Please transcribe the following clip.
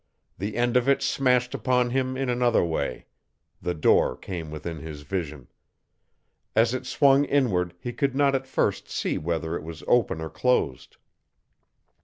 The end of it smashed upon him in another way. The door came within his vision. As it swung inward he could not at first see whether it was open or closed.